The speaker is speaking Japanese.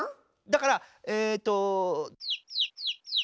だからえと。